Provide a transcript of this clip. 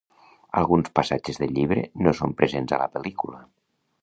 Alguns passatges del llibre no són presents a la pel·lícula.